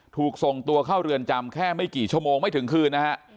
ถูกส่งตัวเข้าเรือนจำแค่ไม่กี่ชั่วโมงไม่ถึงคืนนะฮะ